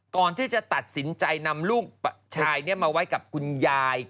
ก่อนที่จะตัดสินใจนำลูกชายมาไว้กับคุณยาย